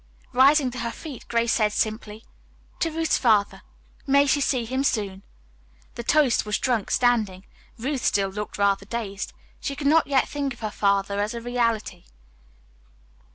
Rising to her feet Grace said simply, "To Ruth's father. May she see him soon." The toast was drunk standing. Ruth still looked rather dazed. She could not yet think of her father as a reality.